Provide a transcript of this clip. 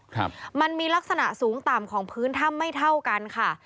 ครับมันมีลักษณะสูงต่ำของพื้นถ้ำไม่เท่ากันค่ะ